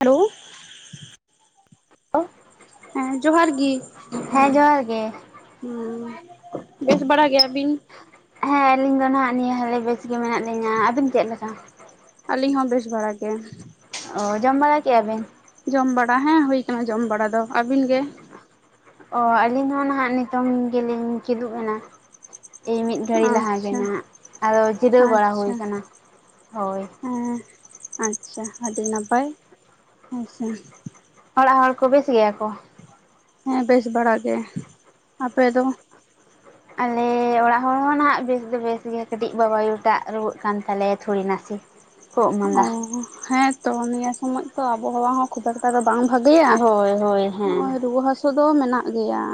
Hello ᱦᱮᱸ ᱡᱚᱦᱟᱨ ᱜᱤ ᱦᱮᱸ ᱡᱚᱦᱟᱨ ᱜᱮ ᱦᱩᱸ ᱵᱮᱥ ᱵᱟᱲᱟ ᱜᱮᱭᱟ ᱟᱵᱤᱱ ᱦᱮᱸ ᱟᱹᱞᱤᱧ ᱫᱚ ᱱᱟᱜ ᱱᱤᱭᱟᱹ ᱦᱟᱹᱞᱤ ᱵᱮᱥ ᱜᱮ ᱢᱮᱱᱟᱜ ᱞᱤᱧᱟ ᱟᱹᱵᱤᱱ ᱪᱮᱫ ᱞᱮᱠᱟ ᱟᱹᱞᱤᱧ ᱦᱚᱸ ᱵᱮᱥ ᱵᱟᱲᱟ ᱜᱮ ᱚ ᱡᱚᱢ ᱵᱟᱲᱟ ᱠᱮᱜᱼᱟ ᱵᱤᱱ ᱡᱚᱢ ᱵᱟᱲᱟ ᱦᱮᱸ ᱦᱩᱭ ᱟᱠᱟᱱᱟ ᱡᱚᱢ ᱵᱟᱲᱟ ᱫᱚ ᱟᱹᱵᱤᱱ ᱜᱮ ᱚᱻ ᱟᱹᱞᱤᱧ ᱦᱚᱸ ᱱᱟᱦᱟᱜ ᱱᱤᱛᱚᱝ ᱜᱮᱞᱤᱧ ᱠᱤᱫᱩᱜ ᱮᱱᱟ ᱮᱭ ᱢᱤᱫ ᱜᱷᱟᱹᱲᱤᱡ ᱞᱟᱦᱟ ᱜᱮ ᱟᱪᱪᱷᱟ ᱱᱟᱦᱱᱟᱜ ᱟᱫᱚ ᱡᱤᱨᱟᱹᱣ ᱵᱟᱲᱟ ᱦᱳᱭ ᱟᱪᱪᱷᱟ ᱟᱠᱟᱱᱟ ᱦᱳᱭ ᱦᱮᱸ ᱟᱪᱪᱷᱟ ᱟᱹᱰᱤ ᱱᱟᱯᱟᱭ ᱦᱮᱸᱥᱮ᱾ ᱚᱲᱟᱜ ᱦᱚᱲ ᱠᱚ ᱵᱮᱥ ᱜᱮᱭᱟ ᱠᱚ ᱦᱮᱸ ᱵᱮᱥ ᱵᱟᱲᱟ ᱜᱮ ᱟᱯᱮ ᱫᱚ ᱟᱞᱮ ᱚᱲᱟᱜ ᱦᱚᱲ ᱦᱚᱸ ᱱᱟᱦᱟᱜ ᱵᱮᱥ ᱫᱚ ᱵᱮᱥ ᱜᱮ ᱠᱟᱹᱴᱤᱡ ᱵᱟᱵᱟᱭᱩᱴᱟᱜ ᱨᱩᱣᱟᱹᱜ ᱠᱟᱱ ᱛᱟᱞᱮᱭᱟ ᱛᱷᱲᱤ ᱱᱟᱜ ᱡᱮ ᱚ ᱦᱮᱸ ᱛᱚ ᱱᱤᱭᱟᱹ ᱥᱚᱢᱚᱡ ᱛᱚ ᱟᱵᱚᱦᱟᱣᱟ ᱦᱚᱸ ᱠᱷᱩᱵ ᱮᱠᱴᱟ ᱫᱚ ᱵᱟᱝ ᱵᱷᱟᱜᱮᱭᱟ ᱦᱳᱭ ᱦᱳᱭ ᱱᱚᱜ ᱦᱮᱸ ᱨᱩᱣᱟᱹ ᱦᱟᱥᱩ [unintelligible] ᱫᱚ ᱢᱮᱱᱟᱜ ᱜᱮᱭᱟ